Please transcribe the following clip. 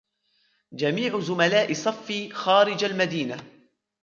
جميع زملاء صفّي خارج المدينة.